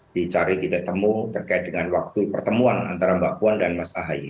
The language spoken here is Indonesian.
dicari ditemu terkait dengan waktu pertemuan antara mbak puan dan mas ahaya